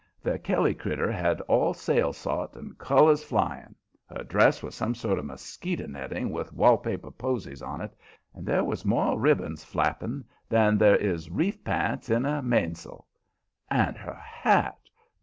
The Kelly critter had all sail sot and colors flying. Her dress was some sort of mosquito netting with wall paper posies on it, and there was more ribbons flapping than there is reef p'ints on a mainsail. And her hat!